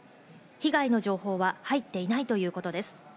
被害の情報は入っていないということです。